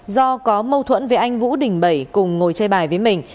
do có mâu thuẫn với anh vũ đình bảy cùng ngồi chơi bài với mình